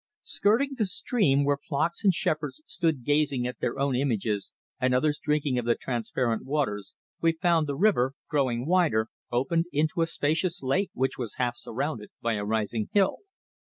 Skirting the stream, where flocks and herds stood gazing at their own images and others drinking of the transparent waters, we found the river, growing wider, opened into a spacious lake which was half surrounded by a rising hill.